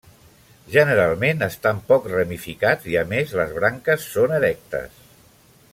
Generalment estan poc ramificats i a més les branques són erectes.